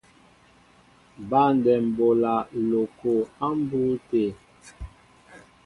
Băndɛm bola loko a mbu té.